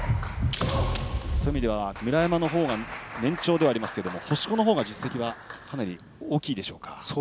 そういう意味では村山のほうが年長ですが星子のほうが実績は大きいでしょうか。